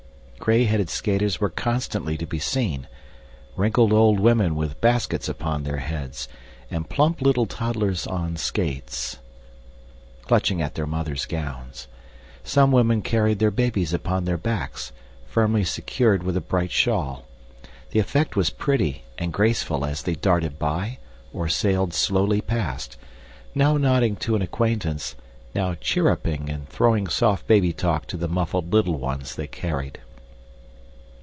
Gray headed skaters were constantly to be seen; wrinkled old women with baskets upon their heads, and plump little toddlers on skates clutching at their mothers' gowns. Some women carried their babies upon their backs, firmly secured with a bright shawl. The effect was pretty and graceful as they darted by or sailed slowly past, now nodding to an acquaintance, now chirruping and throwing soft baby talk to the muffled little ones they carried.